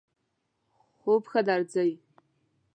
خوب ښه درځی؟